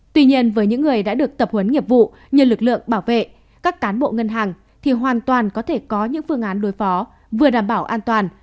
tuy nhiên với những người đã được tập huấn nghiệp vụ như lực lượng bảo vệ các cán bộ ngân hàng thì hoàn toàn có thể có những phương án đối phó vừa đảm bảo an toàn